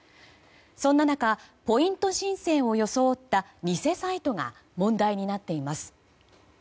そんな中ポイント申請を装った偽サイトが問題になっています。